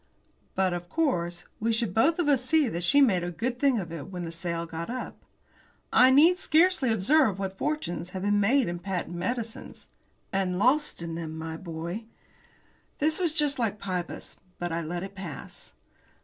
But, of course, we should both of us see that she made a good thing of it when the sale got up. "I need scarcely observe what fortunes have been made in patent medicines." "And lost in them, my boy." This was just like Pybus but I let it pass.